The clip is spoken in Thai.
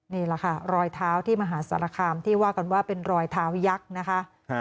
นี่แหละค่ะรอยเท้าที่มหาสารคามที่ว่ากันว่าเป็นรอยเท้ายักษ์นะคะ